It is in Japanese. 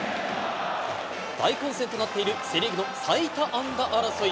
大混戦となっているセ・リーグの最多安打争い。